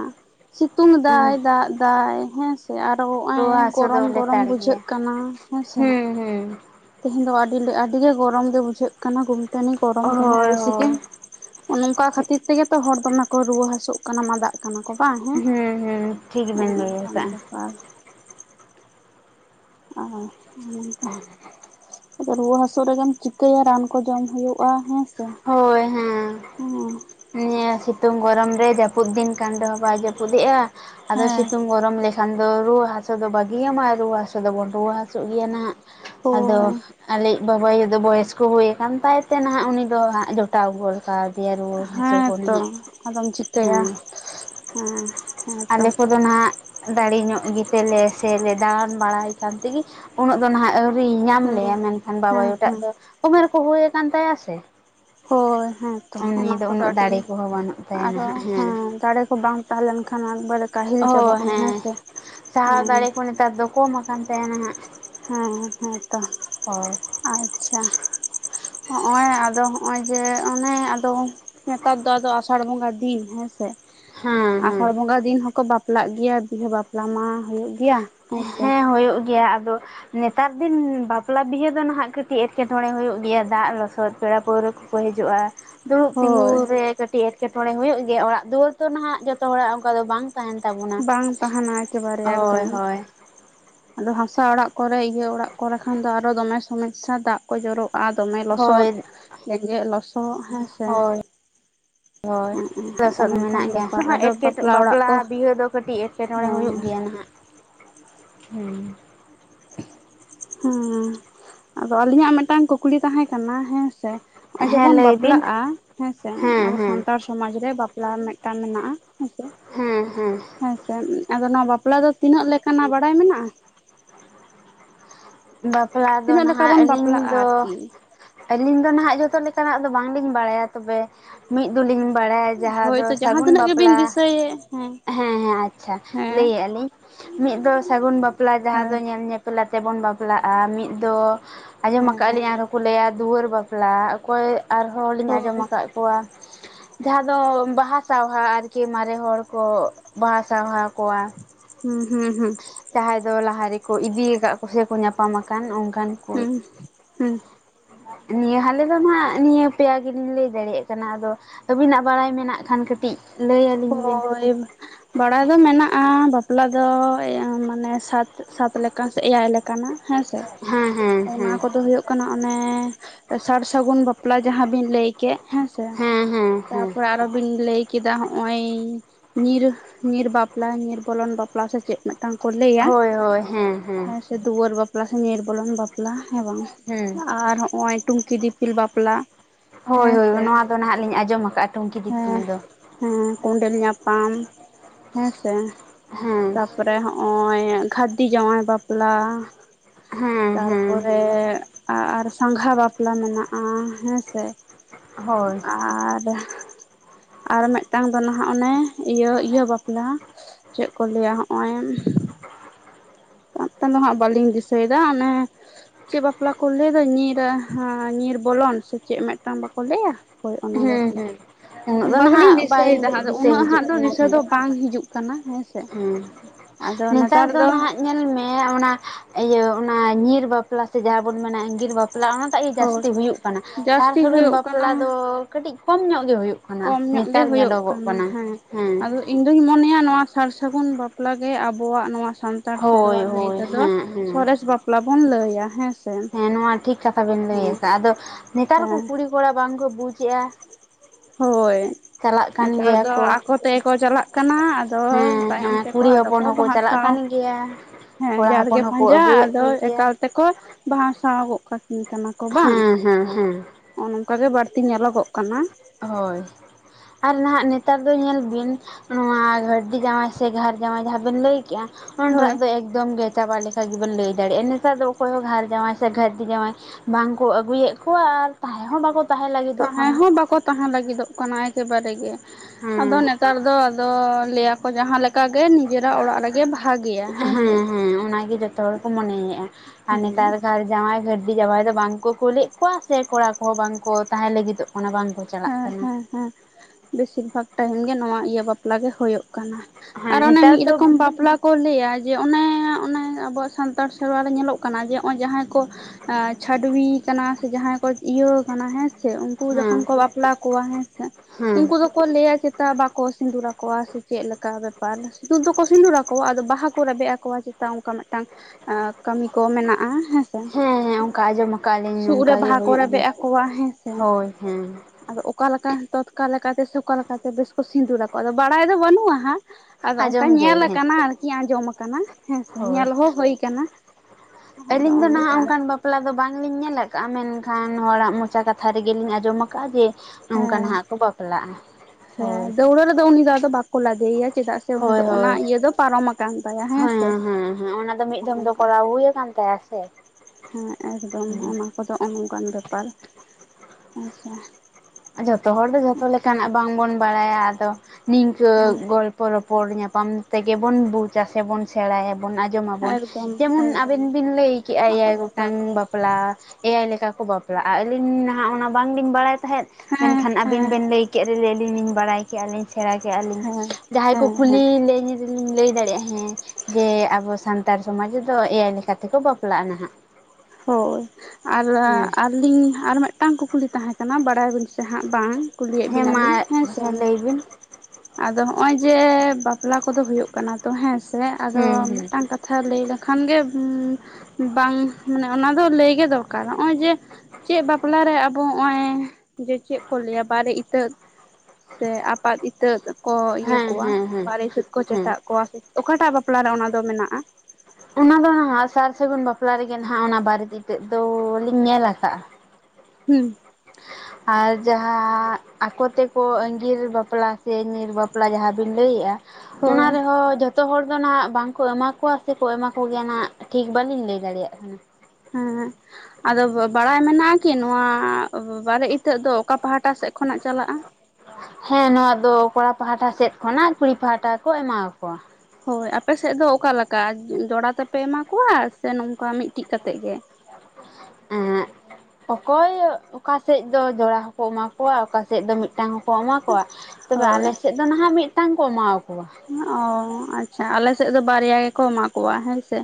ᱥᱤᱛᱩᱝ ᱫᱟᱭ ᱫᱟᱜ ᱫᱟᱭ ᱦᱮᱸ ᱥᱮ ᱟᱨᱚ ᱦᱚᱜ - ᱚᱭ ᱨᱩᱣᱟᱹ ᱦᱟᱹᱥᱩ ᱫᱚ ᱜᱚᱨᱚᱢ ᱜᱚᱨᱚᱢ ᱵᱩᱡᱷᱟᱹᱜ ᱠᱟᱱᱟ ᱦᱮᱸᱥᱮ ᱦᱮᱸ ᱦᱮᱸ ᱛᱮᱦᱮᱧ ᱫᱚ ᱟᱹᱰᱤᱞᱮ ᱟᱹᱰᱤ ᱜᱮ ᱜᱚᱨᱚᱢ ᱜᱮ ᱵᱩᱡᱷᱟᱹᱜ ᱠᱟᱱᱟ ᱜᱩᱜᱴᱟᱹᱱᱤ ᱜᱚᱨᱚᱢ ᱫᱚᱢᱮ ᱦᱳᱭ ᱟᱲᱤᱥ ᱜᱮ᱾ ᱦᱳᱭ ᱱᱚᱝᱠᱟ ᱠᱷᱟᱹᱛᱤᱨ ᱛᱮᱜᱮ ᱛᱚ ᱦᱚᱲ ᱫᱚᱢᱮ ᱠᱚ ᱨᱩᱣᱟᱹ ᱦᱟᱹᱥᱩᱜ ᱠᱟᱱᱟ ᱢᱟᱫᱟᱜ ᱠᱟᱱᱟ ᱠᱚ ᱵᱟᱝ ᱦᱮᱸ ᱦᱩᱸ ᱦᱩᱸ ᱴᱷᱤᱠ ᱱᱚᱜᱼᱚ ᱵᱮᱱ ᱞᱟᱹᱭ ᱱᱚᱝᱠᱟᱱ ᱟᱠᱟᱜᱼᱟ ᱵᱮᱯᱟᱨ᱾ ᱟ ᱱᱚᱝᱠᱟ ᱟᱫᱚ ᱨᱩᱣᱟᱹ ᱦᱟᱹᱥᱩᱜ ᱨᱮᱜᱮᱢ ᱪᱤᱠᱟᱹᱭᱟ ᱨᱟᱱ ᱠᱚ ᱡᱚᱢ ᱦᱩᱭᱩᱜᱼᱟ ᱦᱮᱸ ᱥᱮ ᱦᱳᱭ ᱦᱮᱸ ᱦᱮᱸ ᱱᱤᱭᱟᱹ ᱥᱤᱛᱩᱝ ᱜᱚᱨᱚᱢ ᱨᱮ ᱡᱟᱹᱯᱩᱫ ᱫᱤᱱ ᱠᱟᱱ ᱨᱮᱦᱚᱸ ᱵᱟᱭ ᱡᱟᱹᱯᱩᱫᱮᱜᱼᱟ᱾ ᱟᱫᱚ ᱦᱮᱸ ᱥᱤᱛᱩᱝ ᱜᱚᱨᱚᱢ ᱞᱮᱠᱷᱟᱱ ᱫᱚ ᱨᱩᱣᱟᱹ ᱦᱟᱹᱥᱩ ᱦᱟᱥᱩ ᱫᱚ ᱵᱟᱹᱜᱤᱭᱟᱢᱟ ᱨᱩᱣᱟᱹ ᱦᱟᱹᱥᱩ ᱫᱚᱵᱚᱱ ᱨᱩᱣᱟᱹ ᱦᱟᱹᱥᱩᱜ ᱜᱮᱭᱟ ᱱᱟᱦᱟᱜ ᱟᱫᱚ ᱦᱳᱭ ᱟᱞᱮ ᱤᱡ ᱵᱟᱵᱟᱭᱩ ᱫᱚ ᱵᱚᱭᱚᱥᱠ ᱠᱚ ᱦᱩᱭ ᱟᱠᱟᱱ ᱛᱟᱭ ᱛᱮ ᱱᱟᱦᱟᱜ ᱩᱱᱤ ᱫᱚ ᱦᱟᱜ ᱡᱚᱴᱟᱣ ᱜᱷᱩᱨ ᱠᱟᱭ ᱱᱤᱭᱟᱹ ᱨᱩᱣᱟᱹ ᱦᱟᱹᱥᱩ ᱦᱮᱸᱛᱚ ᱠᱚᱨᱮᱱᱟᱜ ᱟᱫᱚᱢ ᱪᱤᱠᱟᱹᱭᱟ ᱨᱟᱱ ᱦᱮᱸ ᱦᱮᱸᱛᱚ ᱟᱞᱮ ᱠᱚᱫᱚ ᱱᱟᱦᱟᱜ ᱫᱟᱲᱮ ᱧᱚᱜ ᱜᱮᱛᱮᱞᱮ ᱥᱮᱞᱮ ᱫᱟᱬᱟᱱ ᱵᱟᱲᱟᱭ ᱠᱟᱱ ᱛᱮᱜᱮ ᱩᱱᱟᱹᱜ ᱫᱚ ᱱᱟᱦᱟᱜ [unintelligible] ᱧᱟᱢ ᱦᱮᱸ ᱞᱮᱭᱟ ᱢᱮᱱᱠᱷᱟᱱ ᱦᱮᱸ ᱵᱟᱵᱟᱭᱩ ᱴᱟᱜ ᱦᱮᱸ ᱫᱚ ᱩᱢᱮᱨ ᱠᱚ ᱦᱩᱭ ᱟᱠᱟᱱ ᱛᱟᱭᱟ ᱥᱮ ᱦᱚᱭ ᱦᱮᱸ [unintelligible] ᱚᱱᱟ ᱩᱱᱤ ᱫᱚ ᱠᱚᱫᱚ ᱩᱱᱟᱹᱜ ᱟᱹᱰᱤ ᱫᱟᱲᱮ ᱠᱚᱦᱚᱸ ᱵᱟᱹᱱᱩᱜ ᱛᱟᱭᱟ ᱟᱫᱚ ᱱᱟᱦᱟᱜ ᱦᱮᱸ ᱫᱟᱲᱮ ᱠᱚ ᱵᱟᱝ ᱛᱟᱦᱮᱸᱞᱮᱱ ᱠᱷᱟᱱ ᱮᱠᱵᱟᱨᱮ ᱠᱟᱹᱦᱤᱞ ᱚ ᱪᱟᱵᱟᱜ ᱟᱢ ᱦᱮᱸ ᱥᱮ ᱥᱟᱦᱟᱣ ᱦᱮᱸ ᱫᱟᱲᱮ ᱠᱚ ᱱᱮᱛᱟᱨ ᱫᱚ ᱠᱚᱢ ᱟᱠᱟᱱ ᱛᱟᱦᱮᱸᱱᱟ ᱦᱟᱜ᱾ ᱦᱮᱸ ᱦᱮᱸ ᱦᱮᱸ ᱛᱚ ᱟᱪᱪᱷᱟ ᱦᱚᱸᱜᱼᱚᱭ ᱟᱫᱚ ᱦᱚᱸᱜᱼᱚᱭ ᱡᱮ ᱚᱱᱮ ᱟᱫᱚ ᱱᱮᱛᱟᱨ ᱫᱚ ᱟᱫᱚ ᱟᱥᱟᱲ ᱵᱚᱸᱜᱟ ᱫᱤᱱ ᱦᱮᱸᱥᱮ ᱦᱮᱸ ᱦᱮᱸ ᱟᱥᱟᱲ ᱵᱚᱸᱜᱟ ᱫᱤᱱ ᱦᱚᱸᱠᱚ ᱵᱟᱯ ᱵᱟᱯᱞᱟᱜ ᱜᱤᱭᱟᱹ ᱵᱤᱦᱟᱹ ᱵᱟᱯ ᱞᱟᱢᱟ ᱦᱩᱭᱩᱜ ᱜᱮᱭᱟ ᱦᱮᱸᱥᱮ ᱦᱮᱸ ᱦᱩᱭᱩᱜ ᱜᱮᱭᱟ ᱟᱫᱚ ᱱᱮᱛᱟᱨ ᱫᱤᱱ ᱵᱟᱯᱞᱟ ᱵᱤᱦᱟᱹ ᱫᱚ ᱱᱟᱦᱟᱜ ᱠᱟᱹᱴᱤᱡ ᱮᱴᱠᱮᱴᱚᱬᱮ ᱦᱩᱭᱩᱜ ᱜᱮᱭᱟ ᱫᱟᱜ ᱞᱚᱥᱚᱫ ᱯᱮᱲᱟ ᱯᱟ. ᱣᱨᱟᱸ ᱠᱚ ᱦᱤᱡᱩᱜᱼᱟ ᱫᱩᱲᱩᱵ ᱛᱤᱸᱜᱩ ᱦᱳᱭ ᱨᱮ ᱠᱟᱹᱴᱤᱡ ᱮᱴᱠᱮᱴᱚᱬᱮ ᱦᱩᱭᱩᱜ ᱜᱮᱭᱟ ᱚᱲᱟᱜ ᱫᱩᱣᱟᱹᱨ ᱛᱚ ᱱᱟᱦᱟᱜ ᱡᱚᱛᱚ ᱦᱚᱲᱟᱜ ᱚᱱᱠᱟ ᱫᱚ ᱵᱟᱝ ᱛᱟᱦᱮᱱ ᱛᱟᱵᱚᱱᱟ ᱵᱟᱝ ᱛᱟᱦᱮᱱᱟ ᱮᱠᱮᱵᱟᱨᱮ ᱮᱠᱫᱚᱢ ᱦᱳᱭ ᱦᱳᱭ ᱟᱫᱚ ᱦᱟᱥᱟ ᱚᱲᱟᱜ ᱠᱚᱨᱮ ᱤᱭᱟᱹ ᱚᱲᱟᱜ ᱠᱚᱨᱮ ᱠᱷᱟᱱ ᱫᱚ ᱟᱨᱚ ᱫᱚᱢᱮ ᱥᱚᱢᱚᱥᱭᱟ ᱫᱟᱜ ᱠᱚ ᱡᱚᱨᱚᱜ᱾ ᱟ ᱫᱚᱢᱮ ᱦᱳᱭ ᱞᱚᱥᱚᱫ ᱞᱮᱸᱡᱮᱫ [inaudible] ᱞᱚᱥᱚᱫ ᱦᱮᱸᱥᱮ ᱦᱚᱭ ᱦᱚᱜᱼᱚ [unintelligible] ᱱᱚᱝᱠᱟᱱ ᱢᱮᱱᱟᱜ ᱵᱮᱯᱟᱨ ᱜᱮᱭᱟ [unintelligible] ᱟᱫᱚ ᱮᱴᱠᱮ [unintelligible] ᱚᱲᱟᱜ ᱵᱟᱯᱞᱟ ᱠᱚ ᱵᱤᱦᱟᱹ ᱫᱚ ᱠᱟᱹᱴᱤᱡ ᱮ [unintelligible] ᱡᱮ ᱱᱚᱰᱮ ᱦᱮᱸ ᱦᱩᱭᱩᱜ ᱜᱮᱭᱟ ᱱᱟᱦᱟᱜ ᱦᱩᱢ᱾ ᱦᱮᱸ ᱟᱫᱚ ᱟᱹᱞᱤᱧᱟᱜ ᱢᱤᱫᱴᱟᱝ ᱠᱩᱠᱞᱤ ᱛᱟᱦᱮᱸ ᱠᱟᱱᱟ ᱦᱮᱸ ᱥᱮ ᱱᱚᱜ ᱚᱭ ᱡᱮ ᱦᱮᱸ ᱵᱚᱱ ᱞᱟᱹᱭ ᱵᱤᱱ ᱵᱟᱯᱞᱟᱜᱼᱟ ᱦᱮᱸᱥᱮ ᱦᱮᱸ ᱟᱵᱚ ᱦᱮᱸ ᱥᱟᱱᱛᱟᱲ ᱥᱚᱢᱟᱡᱽ ᱨᱮ ᱵᱟᱯᱞᱟ ᱢᱤᱫᱴᱟᱝ ᱢᱮᱱᱟᱜᱼᱟ ᱦᱮᱸᱥᱮ ᱦᱮᱸ ᱦᱮᱸ ᱦᱮᱸᱥᱮ - ᱟᱫᱚ ᱱᱚᱣᱟ ᱵᱟᱯᱞᱟ ᱫᱚ ᱛᱤᱱᱟᱹᱜ ᱞᱮᱠᱟᱱᱟᱜ ᱵᱟᱲᱟᱭ ᱢᱮᱱᱟᱜᱼᱟ ᱵᱟᱯᱞᱟ ᱫᱚ ᱛᱤᱱᱟᱹᱜ ᱞᱮᱠᱟ ᱱᱟᱦᱟᱜ ᱵᱚᱱ ᱟᱹᱞᱤᱧ ᱵᱟᱯᱞᱟᱜᱼᱟ ᱫᱚ ᱟᱨᱠᱤ ᱟᱹᱞᱤᱧ ᱫᱚ ᱱᱟᱦᱟᱜ ᱡᱚᱛᱚ ᱞᱮᱠᱟᱱᱟᱜ ᱫᱚ ᱵᱟᱝᱞᱤᱧ ᱵᱟᱲᱟᱭᱟ ᱛᱚᱵᱮ ᱢᱤᱫ ᱫᱩᱞᱤᱧ ᱵᱟᱲᱟᱭᱟ ᱡᱟᱦᱟᱸ ᱫᱚ ᱦᱳᱭᱛᱚ ᱡᱟᱦᱟᱸ ᱥᱟᱹᱜᱩᱱ ᱛᱤᱱᱟᱹᱜ ᱵᱟᱯᱞᱟ ᱾ [unintelligible] ᱦᱮᱸ᱾ ᱦᱮᱸ ᱦᱮᱸ ᱟᱪᱪᱷᱟ ᱦᱮᱸ ᱞᱟᱹᱭ ᱟᱞᱤᱧ ᱢᱤᱫ ᱫᱚ ᱥᱟᱹᱜᱩᱱ ᱵᱟᱯᱞᱟ ᱡᱟᱦᱟᱸ ᱦᱮᱸ ᱫᱚ ᱧᱮᱞ ᱧᱮᱯ ᱛᱟᱞᱟ ᱛᱮᱵᱚᱱ ᱵᱟᱯᱞᱟᱜᱼᱟ ᱢᱤᱫ ᱫᱚ ᱟᱸᱡᱚᱢ ᱦᱮᱸ ᱠᱟᱜ ᱦᱮᱸ ᱟᱞᱤᱧ ᱟᱨᱦᱚᱸ ᱞᱟᱹᱭᱟ ᱫᱩᱣᱟᱹᱨ ᱵᱟᱯᱞᱟ ᱚᱠᱚᱭ ᱟᱨᱦᱚᱸ ᱞᱤᱧ ᱟᱸᱡᱚᱢ ᱦᱳᱭ ᱠᱟᱜ ᱠᱚᱣᱟ ᱡᱟᱦᱟᱸ ᱫᱚ ᱵᱟᱦᱟ ᱥᱟᱣᱦᱟ ᱟᱨᱠᱤ ᱢᱟᱨᱮ ᱦᱚᱲ ᱠᱚ ᱵᱟᱦᱟ ᱥᱟᱶᱦᱟ ᱠᱚᱣᱟ ᱦᱩᱸ ᱦᱩᱸ ᱦᱩᱸ ᱡᱟᱦᱟᱸᱭ ᱫᱚ ᱞᱟᱦᱟ ᱨᱮᱠᱚ ᱤᱫᱤᱭᱟ ᱠᱟᱜ ᱠᱚᱥᱮ ᱠᱚ ᱧᱟᱯᱟᱢ ᱟᱠᱟᱱ ᱚᱱᱠᱟᱱ ᱠᱚ ᱦᱩᱸ ᱦᱩᱸ ᱱᱤᱭᱟᱹ ᱦᱟᱞᱮ ᱫᱚᱦᱟᱜ ᱱᱤᱭᱟᱹ ᱯᱮᱭᱟ ᱜᱮᱞᱤᱧ ᱞᱟᱹᱭ ᱫᱟᱲᱮᱭᱟᱜ ᱠᱟᱱᱟ ᱟᱫᱚ ᱟᱹᱵᱤᱱᱟᱜ ᱵᱟᱲᱟᱭ ᱢᱮᱱᱟᱜ ᱠᱷᱟᱱ ᱠᱟᱹᱴᱤᱡ ᱞᱟᱹᱭ ᱟᱹᱞᱤ ᱦᱳᱭ ᱵᱟᱲᱟᱭ ᱫᱚ ᱢᱮᱱᱟᱜᱼᱟ ᱵᱟᱯᱞᱟ ᱫᱚ ᱢᱟᱱᱮ ᱥᱟᱛ ᱥᱟᱛ ᱞᱮᱠᱟ ᱥᱮ ᱮᱭᱟᱭ ᱞᱮᱠᱟᱱᱟ ᱦᱮᱸ ᱥᱮ ᱚᱱᱟ ᱠᱚᱫᱚ ᱦᱳᱭᱳᱜ ᱠᱟᱱᱟ ᱚᱱᱮ ᱥᱟᱨ ᱥᱟᱹᱜᱩᱱ ᱵᱟᱯᱞᱟ ᱡᱟᱦᱟᱸ ᱵᱤᱱ ᱞᱟᱹᱭ ᱠᱮᱜ ᱦᱮᱸᱥᱮ ᱥᱮ ᱛᱟᱯᱚᱨᱮ ᱟᱨᱚ ᱵᱤᱱ ᱞᱟᱹᱭ ᱠᱮᱫᱟ ᱱᱚᱜᱼᱚᱭ ᱧᱤᱨ ᱧᱤᱨ ᱵᱟᱯᱞᱟ ᱧᱤᱨ ᱵᱚᱞᱚᱱ ᱵᱟᱯᱞᱟ ᱥᱮ ᱪᱮᱫ ᱢᱤᱫ ᱴᱟᱝ ᱠᱚ ᱞᱟᱹᱭᱟ ᱦᱳᱭ ᱦᱳᱭ ᱦᱮᱸ ᱦᱮᱸᱥ ᱥᱮ ᱫᱩᱣᱟᱹᱨ ᱵᱟᱯᱞᱟ ᱥᱮ ᱧᱤᱨ ᱵᱚᱞᱚᱱ ᱵᱟᱯᱞᱟ ᱦᱮᱸ ᱵᱟᱝ ᱦᱮᱸ ᱟᱨ ᱦᱚᱸᱜᱼᱚᱭ ᱴᱩᱝᱠᱤ ᱫᱤᱯ ᱵᱟᱯᱞᱟ ᱦᱳᱭ ᱦᱮᱸ ᱦᱳᱭ ᱥᱮ ᱱᱚᱣᱟ ᱫᱚ ᱱᱟᱦᱟᱜ ᱞᱤᱧ ᱟᱸᱡᱚᱢ ᱠᱟᱜᱼᱟ ᱴᱩᱝᱠᱤ ᱫᱤᱯᱤᱞ ᱦᱮᱸ ᱫᱚ ᱦᱮᱸ ᱠᱚᱸᱰᱮᱞ ᱧᱟᱯᱟᱢ ᱦᱮᱸ ᱥᱮ ᱦᱮᱸ ᱛᱟ ᱯᱚᱨᱮ ᱦᱚᱸᱜᱼᱚᱭ ᱜᱷᱟᱹᱨᱫᱤ ᱡᱟᱶᱟᱭ ᱵᱟᱯᱞᱟ ᱦᱮᱸ ᱛᱟᱨ ᱦᱮᱸ ᱯᱚᱨᱮ ᱟᱨ ᱥᱟᱸᱜᱷᱟ ᱵᱟᱯᱞᱟ ᱢᱮᱱᱟᱜᱼᱟ ᱦᱮᱸ ᱥᱮ ᱦᱳᱭ ᱟᱨ ᱟᱨ ᱢᱤᱫ ᱴᱟᱝ ᱫᱚ ᱱᱟᱦᱟᱜ ᱚᱱᱮ ᱤᱭᱟᱹ ᱤᱭᱟᱹ ᱵᱟᱯᱞᱟ ᱪᱮᱫ ᱠᱚ ᱞᱟᱹᱭᱟ ᱦᱚᱸᱜᱼᱚᱭ ᱱᱤᱛᱚᱝ ᱫᱚ ᱦᱟᱸᱜ ᱵᱟᱹᱞᱤᱧ ᱫᱤᱥᱟᱹᱭ ᱫᱟ ᱚᱱᱮ ᱪᱮᱫ ᱵᱟᱯᱞᱟ ᱠᱚ ᱞᱟᱹᱭ ᱫᱚ ᱧᱤᱨ ᱦᱟᱸ ᱧᱤᱨ ᱵᱚᱞᱚᱱ ᱥᱮ ᱪᱮᱫ ᱢᱤᱫ ᱴᱟᱝ ᱵᱟᱠᱚ ᱞᱟᱹᱭᱟ ᱦᱳᱭ ᱚᱱᱟ ᱦᱮᱸ ᱵᱟᱯᱞᱟ ᱦᱮᱸ ᱩᱱᱟᱹᱜ ᱫᱚ ᱚᱱᱠᱟ ᱱᱟᱦᱟᱜ ᱜᱮᱞᱤᱧ ᱫᱤᱥᱟᱹᱭ ᱵᱟᱭ ᱫᱟ ᱟᱫᱚ ᱫᱤᱥᱟᱹ ᱩᱱᱟᱹᱜ ᱦᱤᱡᱩᱜ ᱦᱟᱸᱜ ᱫᱚ ᱠᱟᱱᱟ ᱫᱤᱥᱟᱹ ᱦᱮᱸ ᱫᱚ ᱵᱟᱝ ᱦᱤᱡᱩᱜ ᱠᱟᱱᱟ ᱦᱮᱸ ᱥᱮ ᱦᱮᱸ ᱱᱮᱛᱟᱨ ᱫᱚ ᱱᱟᱦᱟᱜ ᱧᱮᱞ ᱢᱮ ᱚᱱᱟ ᱤᱭᱟᱹ ᱚᱱᱟ ᱧᱤᱨ ᱵᱟᱯᱞᱟ ᱥᱮ ᱡᱟᱦᱟᱸ ᱵᱚᱱ ᱢᱮᱱᱟ ᱟᱸᱜᱤᱨ ᱵᱟᱯᱞᱟ ᱚᱱᱟ [inaudible] ᱦᱳᱭ ᱡᱟᱹᱥᱛᱤ ᱦᱩᱭᱩᱜ ᱠᱟᱱᱟ ᱥᱟᱨ ᱡᱟᱹᱥᱛᱤ ᱥᱟᱹᱜᱩᱱ ᱦᱩᱭᱩᱜ ᱠᱟᱱᱟ ᱵᱟᱯᱞᱟ ᱫᱚ ᱠᱟᱹᱴᱤᱡ ᱠᱚᱢ ᱧᱚᱜ ᱜᱮ ᱦᱩᱭᱩᱜ ᱠᱷᱚᱱᱟᱜ ᱠᱚᱢ ᱧᱚᱜ ᱜᱮ ᱱᱮᱛᱟᱨ ᱦᱳᱭᱳᱜ ᱧᱮᱞᱚᱜᱚᱜ ᱠᱟᱱᱟ ᱦᱮᱸ ᱟᱫᱚ ᱤᱧ ᱫᱩᱧ ᱢᱚᱱᱮᱭᱟ ᱱᱚᱣᱟ ᱥᱟᱨ ᱥᱟᱹᱜᱩᱱ ᱵᱟᱯᱞᱟ ᱜᱮ ᱟᱵᱚᱣᱟᱜ ᱱᱚᱣᱟ ᱥᱟᱱ ᱛᱟᱲ ᱦᱳᱭ ᱥᱮᱨᱣᱟ ᱞᱟᱹᱭ ᱦᱳᱭ ᱛᱮᱫᱚ ᱦᱮᱸ ᱦᱮᱸ ᱥᱚᱨᱮᱥ ᱵᱟᱯᱞᱟ ᱵᱚᱱ ᱞᱟᱹᱭᱟ ᱦᱮᱸᱥ ᱦᱮᱸ ᱱᱚᱣᱟ ᱴᱷᱤᱠ ᱠᱟᱛᱷᱟ ᱵᱮᱱ ᱞᱟᱹᱭ ᱠᱟᱜᱼᱟ ᱟᱫᱚ ᱱᱮᱛᱟᱨ ᱠᱚ ᱦᱮᱸ ᱠᱩᱲᱤ ᱠᱚᱲᱟ ᱵᱟᱝ ᱠᱚ ᱵᱩᱡ ᱮᱜᱼᱟ ᱦᱳᱭ ᱠᱟᱱ ᱱᱮᱛᱟᱨ ᱜᱮᱭᱟ ᱫᱚ ᱠᱚ ᱟᱠᱚ ᱛᱮᱜᱮ ᱠᱚ ᱪᱟᱞᱟᱜ ᱠᱟᱱᱟ ᱟᱫᱚ ᱦᱮᱸ ᱛᱟᱭᱚᱢ ᱦᱮᱸ ᱛᱮᱠᱚ ᱠᱩᱲᱤ ᱟᱫᱚ ᱠᱚ ᱦᱚᱯᱚᱱ ᱦᱚᱸᱠᱚ ᱪᱟᱞᱟᱜ ᱵᱟᱦᱟᱥᱟᱶ ᱠᱟᱱ ᱜᱮᱭᱟ ᱦᱮᱸ ᱠᱚᱲᱟ ᱡᱟᱨᱜᱮ ᱦᱚᱯᱚᱱ ᱦᱚᱸᱠᱚ ᱯᱟᱸᱡᱟ ᱟᱹᱜᱩᱭᱮᱫ ᱟᱫᱚ ᱠᱚᱜᱮᱭᱟ ᱮᱠᱟᱞ ᱛᱮᱠᱚ ᱵᱟᱦᱥᱟᱶ ᱜᱚᱜ ᱠᱟᱠᱤᱱ ᱠᱟᱱᱟ ᱠᱚ ᱵᱟᱝ ᱦᱮᱸ ᱦᱮᱸ ᱦᱮᱸ ᱚᱸ ᱱᱚᱝᱠᱟ ᱜᱮ ᱵᱟᱹᱲᱛᱤ ᱧᱮᱞᱚᱜᱚᱜ ᱠᱟᱱᱟ ᱦᱳᱭ ᱟᱨ ᱱᱟᱦᱟᱜ ᱱᱮᱛᱟᱨ ᱫᱚ ᱧᱮᱞ ᱵᱤᱱ ᱱᱚᱣᱟ ᱜᱷᱟᱹᱨᱫᱤ ᱡᱟᱶᱟᱭ ᱥᱮ ᱜᱷᱚᱨ ᱡᱟᱶᱟᱭ ᱡᱟᱦᱟᱸ ᱵᱮᱱ ᱞᱟᱹᱭ ᱠᱮᱜᱼᱟ ᱚᱱᱟᱴᱟᱜ ᱦᱳᱭ ᱫᱚ ᱮᱠᱫᱚᱢ ᱜᱮ ᱪᱟᱵᱟ ᱞᱮᱠ [inaudible] ᱜᱮᱵᱤᱱ ᱞᱟᱹᱭ ᱫᱟᱲᱮᱜᱼᱟ ᱱᱮᱛᱟᱨ ᱫᱚ ᱚᱠᱚᱭ ᱦᱚᱸ ᱜᱷᱚᱨ ᱡᱟᱶᱟᱭ ᱥᱮ ᱜᱷᱟᱹᱨᱫᱤ ᱡᱟᱶᱟᱭ ᱵᱟᱝ ᱠᱚ ᱟᱹᱜᱩᱭᱮᱜ ᱠᱚᱣᱟ ᱟᱨ ᱛᱟᱦᱮᱸ ᱦᱚᱸ ᱵᱟᱠᱚ ᱛᱟᱦᱮᱸ ᱞᱟᱹᱜᱤᱫᱚᱜ ᱛᱟᱦᱮᱸ ᱠᱟᱱᱟ ᱦᱚᱸ ᱵᱟᱠᱚ ᱛᱟᱦᱮᱸ ᱞᱟᱹᱜᱤᱫᱚᱜ ᱠᱟᱱᱟ ᱮᱠᱮᱵᱟᱨᱮ ᱜᱮ ᱟᱫᱚ ᱦᱮᱸ ᱱᱮᱛᱟᱨ ᱫᱚ ᱚ ᱞᱟᱹᱭ ᱟᱠᱚ ᱡᱟᱦᱟᱸ ᱞᱮ ᱠᱟ ᱜᱮ ᱱᱤᱡᱮᱨᱟᱜ ᱚᱲᱟᱜ ᱨᱮᱜᱮ ᱵᱷᱟᱜᱮᱭᱟ ᱦᱮᱸ ᱥᱮ ᱦᱮᱸ ᱚᱱᱟᱜᱮ ᱡᱚᱛᱚ ᱦᱚᱲ ᱠᱚ ᱢᱚᱱᱮᱭᱮᱜᱼᱟ ᱟᱨ ᱱᱮᱛᱟᱨ ᱦᱩᱸ ᱜᱷᱚᱨ ᱡᱟᱶᱟᱭ ᱜᱷᱟᱹᱨᱫᱤ ᱡᱟᱶᱟᱭ ᱫᱚ ᱵᱟᱝ ᱠᱚ ᱠᱩᱞᱮᱫ ᱠᱚᱣᱟ ᱥᱮ ᱠᱚᱲᱟ ᱠᱚᱦᱚᱸ ᱵᱟᱝ ᱠᱚ ᱛᱟᱦᱮᱸ ᱞᱟᱹᱜᱤᱫᱚᱜ ᱠᱟᱱᱟ ᱵᱟᱝ ᱠᱚ ᱦᱮᱸ ᱦᱮᱸ ᱦᱮᱸ ᱵᱤᱥᱤᱨ ᱵᱷᱟᱜᱽ ᱴᱟᱭᱤᱢ ᱜᱮ ᱱᱚᱶᱟ ᱤᱭᱟᱹ ᱵᱟᱯᱞᱟ ᱜᱮ ᱦᱳᱭᱳᱜ ᱠᱟᱱᱟ ᱠᱟᱱᱟ ᱟᱨ ᱦᱮᱸ ᱚᱱᱮ ᱱᱮᱛᱟᱨ ᱢᱤᱫ ᱫᱚ ᱨᱚᱠᱚᱢ ᱵᱟᱯᱞᱟ ᱠᱚ ᱞᱟᱹᱭᱟ ᱡᱮ ᱚᱱᱮ ᱚᱱᱮ ᱟᱵᱚᱣᱟᱜ ᱥᱟᱱᱛᱟᱲ ᱥᱮᱨᱣᱟ ᱨᱮ ᱧᱮᱞᱚᱜ ᱠᱟᱱᱟ ᱡᱮ ᱱᱚᱜ ᱚᱭ ᱡᱟᱦᱟᱸᱭ ᱠᱚ ᱮᱸᱜ, ᱪᱷᱟᱰᱣᱤ ᱠᱟᱱᱟ ᱥᱮ ᱡᱟᱦᱟᱸᱭ ᱠᱚ ᱤᱭᱟᱹᱣ ᱠᱟᱱᱟ ᱦᱮᱸ ᱥᱮ ᱩᱝᱠᱩ ᱦᱮᱸ ᱡᱚᱠᱷᱚᱱ ᱠᱚ ᱵᱟᱯᱞᱟ ᱠᱚᱣᱟ ᱦᱮᱸᱥᱮ ᱦᱮᱸ ᱩᱝᱠᱩ ᱫᱚᱠᱚ ᱞᱟᱹᱭᱟ ᱪᱮᱛᱟ ᱵᱟᱠᱚ ᱥᱤᱫᱩᱨ ᱟᱠᱚ ᱠᱚᱣᱟ ᱥᱮ ᱪᱮᱫ ᱞᱮᱠᱟ ᱥᱤᱸᱫᱩᱨ ᱫᱚᱠᱚ ᱥᱤᱸᱫᱩᱨ ᱟᱠᱚᱣᱟ ᱟᱫᱚ ᱵᱟᱦᱟ ᱠᱚ ᱨᱮᱵᱮᱫ ᱟᱠᱚᱣᱟ ᱪᱮᱛᱟ ᱚᱱᱠᱟ ᱢᱤᱫᱴᱟᱝ ᱠᱟᱹᱢᱤ ᱠᱚ ᱢᱮᱱᱟᱜᱼᱟ᱾ ᱦᱮᱸᱥᱮ, ᱦᱮᱸ ᱦᱮᱸ ᱚᱱᱠᱟ ᱟᱸᱡᱚᱢ ᱟᱠᱟᱫ ᱟᱹᱞᱤᱧ ᱥᱩᱫ ᱨᱮ ᱚᱱᱠᱟ ᱜᱮ ᱵᱟᱦᱟ ᱠᱚ ᱦᱩᱭᱩᱜ ᱨᱮᱵᱮᱫ ᱜᱮᱭᱟ ᱟᱠᱚᱣᱟ ᱦᱮᱸ ᱦᱳᱭ ᱦᱮᱸ ᱟᱫᱚ ᱚᱠᱟ ᱞᱮᱠᱟ ᱛᱚᱛᱠᱟ ᱞᱮᱠᱟᱛᱮ ᱥᱮ ᱚᱠᱟ ᱞᱮᱠᱟᱛᱮ ᱵᱮᱥ ᱠᱚ ᱥᱤᱸᱫᱩᱨ ᱟᱠᱚ ᱟᱫᱚ ᱵᱟᱲᱟᱭ ᱫᱚ ᱵᱟᱹᱱᱩᱜᱼᱟ ᱦᱟᱸᱜ ᱟᱫᱚ ᱚᱱᱠᱟ ᱟᱸᱡᱚᱢ ᱜᱮ ᱧᱮᱞ ᱦᱮᱸ ᱟᱠᱟᱱᱟ ᱟᱨᱠᱤ ᱟᱸᱡᱚᱢ ᱟᱠᱟᱱᱟ ᱦᱮᱸᱥᱮ ᱦᱳᱭ ᱧᱮᱞ ᱦᱚᱸ ᱦᱳᱭ ᱠᱟᱱᱟ᱾ ᱟᱹᱞᱤᱧ ᱫᱚ ᱱᱟᱦᱟᱜ ᱚᱱᱠᱟᱱ ᱵᱟᱯ ᱵᱟᱯᱞᱟ ᱫᱚ ᱵᱟᱝᱞᱤᱧ ᱧᱮᱞ ᱟᱠᱟᱫᱼᱟ᱾ ᱢᱮᱱᱠᱷᱟᱱ ᱦᱚᱲᱟᱜ ᱢᱚᱪᱟ ᱠᱟᱛᱷᱟ ᱨᱮᱜᱮ ᱞᱤᱧ ᱟᱸᱡᱚᱢ ᱟᱠᱟᱫᱼᱟ ᱡᱮ ᱱᱚᱝᱠᱟ ᱦᱮᱸ ᱱᱟᱦᱟᱜ ᱠᱚ ᱵᱟᱯᱞᱟᱜᱼᱟ᱾ ᱦᱮᱸ ᱦᱳᱭ ᱫᱟᱹᱣᱲᱟᱹ ᱨᱮᱫᱚ ᱩᱱᱤ ᱫᱚ ᱟᱫᱚ ᱵᱟᱠᱚ ᱞᱟᱫᱮᱭᱮᱭᱟ ᱪᱮᱫᱟᱜ ᱥᱮ ᱩᱱᱤ ᱦᱳᱭ ᱫᱚ ᱚᱱᱟ ᱦᱳᱭ ᱤᱭᱟᱹ ᱫᱚ ᱯᱟᱨᱚᱢᱟ ᱠᱟᱱ ᱠᱟᱱ ᱛᱟᱭᱟ ᱦᱮᱸ ᱦᱮᱸ ᱦᱮᱸ ᱚᱱᱟ ᱫᱚ ᱢᱤᱫ ᱫᱚᱢ ᱫᱚ ᱚᱱᱠᱟ ᱠᱚᱨᱟᱣ ᱦᱩᱭᱩ ᱟᱠᱟᱱ ᱛᱟᱭᱟ ᱥᱮ ᱦᱮᱸ ᱮᱠᱫᱚᱢ ᱦᱩᱸ ᱚᱱᱟ ᱠᱚᱫᱚᱜ ᱱᱚᱝᱠᱟᱱ ᱵᱮᱯᱟᱨ ᱦᱮᱸᱥᱮ ᱡᱷᱚᱛᱚ ᱦᱚᱲ ᱫᱚ ᱡᱷᱚᱛᱚ ᱟᱪᱪᱷᱟ ᱞᱮᱠᱟᱱᱟᱜ ᱵᱟᱝᱵᱚᱱ ᱵᱟᱲᱟᱭᱟ, ᱟᱫᱚ ᱱᱤᱝᱠᱟᱹ ᱦᱮᱸ ᱜᱚᱞᱯᱚ ᱨᱚᱯᱚᱲ ᱧᱟᱯᱟᱢ ᱛᱮᱜᱮ ᱵᱚᱱ ᱵᱩᱡ ᱟ ᱥᱮ ᱵᱚᱱ ᱥᱮᱬᱟᱭᱟ ᱵᱚᱱ ᱡᱚᱢᱟ ᱵᱚᱱ ᱮᱠᱫᱚᱢ ᱡᱮᱢᱚᱱ ᱮᱠᱫᱚᱢ ᱟᱵᱮᱱ ᱵᱤᱱ ᱞᱟᱹᱭ ᱠᱮᱜᱼᱟ ᱚᱱᱟ ᱮᱭᱟᱭ ᱠᱚᱫᱚ ᱜᱚᱴᱟᱝ ᱮᱠᱟᱞ ᱜᱮ ᱵᱟᱯᱞᱟ ᱮᱭᱟᱭ ᱞᱮᱠᱟ ᱠᱚ ᱵᱟᱯᱞᱟᱜᱼᱟ᱾ ᱟᱹᱞᱤᱧ ᱱᱟᱦᱟᱜ ᱚᱱᱟ ᱵᱟᱝᱞᱤᱧ ᱵᱟᱲᱟᱭ ᱛᱟᱦᱮᱸᱫ, ᱦᱮᱸ ᱢᱮᱱᱠᱷᱟᱱ ᱟᱹᱵᱤᱱ ᱦᱮᱸ ᱵᱮᱱ ᱞᱟᱹᱭ ᱠᱮᱫ ᱞᱮᱨᱮ ᱵᱟᱲᱟᱭ ᱠᱮᱫᱼᱟᱞᱤᱧ ᱥᱮᱬᱟ ᱠᱮᱜᱼᱟᱞᱤᱧ ᱦᱮᱸ ᱡᱟᱦᱟᱸᱭ ᱠᱚ ᱦᱮᱸ ᱦᱮᱸ ᱠᱩᱞᱤ ᱞᱤᱧ ᱡᱚᱫᱤᱧ ᱞᱟᱹᱭ ᱫᱟᱲᱮᱭᱟᱜᱼᱟ ᱦᱮᱸ ᱡᱮ ᱟᱵᱚ ᱥᱟᱱᱛᱟᱲ ᱥᱚᱢᱟᱡᱽ ᱨᱮᱫᱚ ᱮᱭᱟᱭ ᱞᱮᱠᱟ ᱛᱮᱠᱚ ᱵᱟᱯᱞᱟᱜᱼᱟ ᱱᱟᱦᱟᱜ ᱦᱳᱭ ᱟᱨ ᱦᱮᱸ ᱟᱹᱞᱤᱧ ᱟᱨ ᱢᱤᱫᱴᱟᱝ ᱠᱩᱠᱞᱤ ᱛᱟᱦᱮᱸ ᱠᱟᱱᱟ, ᱵᱟᱲᱟᱭᱟ ᱵᱤᱱ ᱥᱮ ᱦᱟᱸᱜ ᱵᱟᱝ ᱠᱩᱞᱤᱭᱮᱫ ᱦᱮᱸ ᱢᱟ ᱵᱤᱱᱟᱞᱤᱧ ᱦᱮᱸᱥᱮ ᱦᱮᱸ ᱞᱟᱹᱭ ᱵᱤᱱ ᱟᱫᱚ ᱦᱚᱸᱜᱼᱚᱭ ᱡᱮ ᱵᱟᱯᱞᱟ ᱠᱚᱫᱚ ᱦᱩᱭᱩᱜ ᱠᱟᱱᱟ ᱛᱚ, ᱦᱮᱸᱥᱮ ᱟᱫᱚ ᱦᱩᱸ ᱦᱩᱸ ᱢᱤᱫᱴᱟᱝ ᱠᱟᱛᱷᱟ ᱠᱟᱛᱷᱟ ᱞᱟᱹᱭ ᱞᱮᱠᱷᱟᱱ ᱜᱮ ᱵᱟᱝ ᱢᱟᱱᱮ ᱚᱱᱟ ᱫᱚ ᱞᱟᱹᱭ ᱜᱮ ᱫᱚᱨᱠᱟᱨ ᱱᱚᱜᱼᱚᱭ ᱡᱮ ᱪᱮᱫ ᱵᱟᱯᱞᱟ ᱨᱮ ᱟᱵᱚ ᱦᱚᱸᱜ-ᱚᱭ ᱡᱮ ᱪᱮᱫ ᱠᱚ ᱞᱟᱹᱭᱟ ᱵᱟᱨᱮ ᱤᱛᱟᱹᱫ ᱥᱮ ᱟᱯᱟᱫ ᱤᱛᱟᱹᱫ ᱠᱚ ᱤᱭᱟᱹ ᱦᱮᱸ ᱠᱚᱣᱟ ᱦᱮᱸ ᱦᱮᱸ ᱵᱟᱨᱮ ᱤᱛᱟᱹᱜ ᱠᱚ ᱦᱮᱸ ᱪᱮᱴᱟᱜ ᱠᱚᱣᱟ, ᱥᱮ ᱚᱠᱟᱴᱟᱜ ᱵᱟᱯᱞᱟ ᱨᱮ ᱚᱱᱟ ᱫᱚ ᱢᱮᱱᱟᱜᱼᱟ? ᱚᱱᱟ ᱫᱚ ᱱᱟᱦᱟᱜ ᱥᱟᱨ ᱥᱟᱹᱜᱩᱱ ᱵᱟᱯᱞᱟ ᱨᱮᱜᱮ ᱱᱟᱦᱟᱜ ᱚᱱᱟ ᱵᱟᱨᱮ ᱤᱛᱟᱹᱫ ᱫᱚᱞᱤᱧ ᱧᱮᱞ ᱟᱠᱟᱫᱼᱟ᱾ ᱦᱩᱸ ᱟᱨ ᱡᱟᱦᱟᱸ ᱟᱠᱚ ᱛᱮ ᱠᱚ ᱟᱹᱜᱤᱨ ᱵᱟᱯᱞᱟ ᱥᱮ ᱧᱤᱨ ᱵᱟᱯᱞᱟ ᱡᱟᱦᱟᱸ ᱵᱤᱱ ᱞᱟᱹᱭᱮᱫᱼᱟ, ᱚᱱᱟ ᱦᱳᱭ ᱨᱮᱦᱚᱸ ᱡᱚᱛᱚ ᱡᱚᱛᱚ ᱦᱚᱲ ᱫᱚ ᱱᱟᱦᱟᱜ ᱵᱟᱝᱠᱚ ᱮᱢᱟ ᱠᱚᱣᱟ ᱥᱮᱠᱚ ᱮᱢᱟ ᱠᱚᱜᱮᱭᱟ ᱱᱟᱦᱟᱜ ᱴᱷᱤᱠ ᱵᱟᱹᱞᱤᱧ ᱞᱟᱹᱭ ᱫᱟᱲᱮᱭᱟᱜ ᱠᱟᱱᱟ᱾ ᱦᱮᱸ ᱟᱫᱚ ᱵᱟᱲᱟᱭ ᱢᱮᱱᱟᱜᱼᱟ ᱠᱤ ᱱᱚᱣᱟ ᱵᱟᱨᱮ ᱤᱛᱟᱹᱜ ᱫᱚ ᱚᱠᱟ ᱯᱟᱦᱴᱟ ᱥᱮᱫ ᱠᱷᱚᱱᱟᱜ ᱪᱟᱞᱟᱜᱼᱟ᱾ ᱦᱮᱸ ᱱᱚᱣᱟ ᱫᱚ ᱠᱚᱲᱟ ᱯᱟᱦᱟᱴᱟ ᱥᱮᱫ ᱠᱷᱚᱱᱟᱜ ᱠᱩᱲᱤ ᱯᱟᱦᱴᱟ ᱠᱚ ᱮᱢᱟᱠᱚᱣᱟ ᱦᱳᱭ ᱟᱯᱮ ᱥᱮᱫ ᱫᱚ ᱚᱠᱟ ᱞᱮᱠᱟ ᱡᱚᱲᱟ ᱛᱮᱯᱮ ᱮᱢᱟ ᱠᱚᱣᱟ ᱥᱮ ᱱᱚᱝᱠᱟ ᱢᱤᱫᱴᱤᱡ ᱠᱟᱛᱮᱫ ᱜᱮ ᱮᱸᱜ ᱚᱠᱚᱭ ᱚᱠᱟ ᱥᱮᱫ ᱫᱚ ᱡᱚᱲᱟ ᱦᱚᱸᱠᱚ ᱮᱢᱟ ᱠᱚᱣᱟ, ᱚᱠᱟ ᱥᱮᱫ ᱫᱚ ᱢᱤᱫᱴᱟᱝ ᱦᱚᱸ ᱠᱚ ᱮᱢᱟ ᱠᱚᱣᱟ᱾ ᱛᱚᱵᱮ ᱦᱳᱭ ᱟᱞᱮ ᱥᱮᱫ ᱫᱚ ᱱᱟᱦᱟᱜ ᱢᱤᱫᱴᱟᱝ ᱠᱚ ᱮᱢᱟ ᱠᱚᱣᱟ᱾ ᱚ ᱟᱪᱪᱷᱟ ᱟᱞᱮ ᱥᱮᱫ ᱫᱚ ᱵᱟᱨᱭᱟ ᱜᱮᱠᱚ ᱮᱢᱟ ᱠᱚᱣᱟ ᱦᱮᱸᱥᱮ